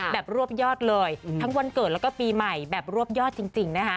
แบบรวบยอดเลยทั้งวันเกิดแล้วก็ปีใหม่แบบรวบยอดจริงนะคะ